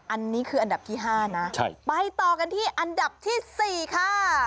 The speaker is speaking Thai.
อันนี้คืออันดับที่๕นะไปต่อกันที่อันดับที่๔ค่ะ